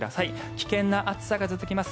危険な暑さが続きます。